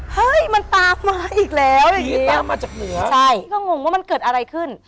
เฮ้ยมันตามมาอีกแล้วอย่างงี้ตามมาจากเหนือใช่พี่ก็งงว่ามันเกิดอะไรขึ้น